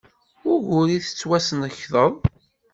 Wuɣur i tettwasnekdeḍ?